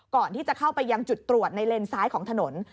ก่อนที่จะเข้าไปยังจุดตรวจในเลนซ้ายของถนน